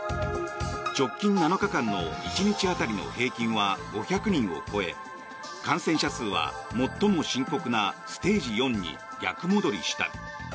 直近７日間の１日当たりの平均は５００人を超え感染者数は最も深刻なステージ４に逆戻りした。